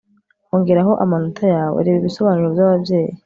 Ongeraho amanota yawe Reba ibisobanuro byababyeyi